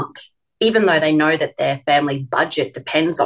meskipun mereka tahu bahwa budjet keluarga mereka bergantung pada itu